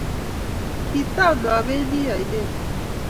Kitam kependi ainet echeck